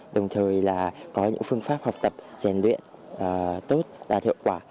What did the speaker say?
đồng thời là có những phương pháp học tập giàn luyện tốt và thượng quả